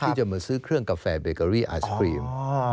ที่จะมาซื้อเครื่องกาแฟเบเกอรี่ไอศครีม